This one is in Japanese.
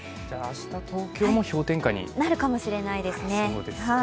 明日、東京も氷点下になるかもしれないですね。